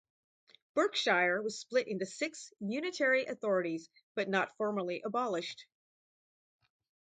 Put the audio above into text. Berkshire was split into six unitary authorities, but not formally abolished.